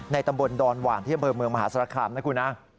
ตำบลดอนหวานที่อำเภอเมืองมหาศาลคามนะคุณนะ